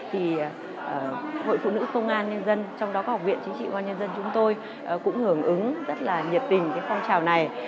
thì hội phụ nữ công an nhân dân trong đó có học viện chính trị công an nhân dân chúng tôi cũng hưởng ứng rất là nhiệt tình cái phong trào này